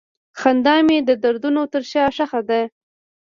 خندا مې د دردونو تر شا ښخ ده.